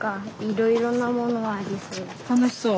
楽しそう？